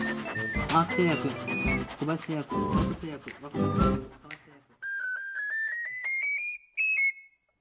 アース製薬小林製薬ロート製薬。